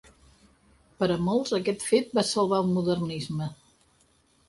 Per a molts, aquest fet va salvar el modernisme.